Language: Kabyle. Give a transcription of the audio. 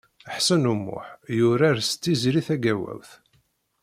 Ḥsen U Muḥ yurar s Tiziri Tagawawt.